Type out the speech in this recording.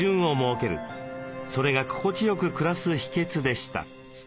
それが心地よく暮らす秘けつでした。